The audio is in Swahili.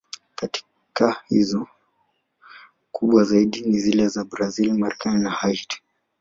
Katika hizo, kubwa zaidi ni zile za Brazil, Marekani na Haiti.